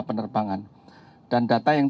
penerbangan dan data yang